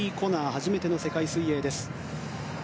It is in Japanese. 初めての世界水泳です。